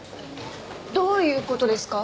どういう事ですか？